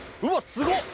すごっ！